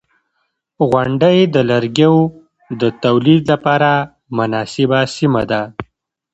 • غونډۍ د لرګیو د تولید لپاره مناسبه سیمه ده.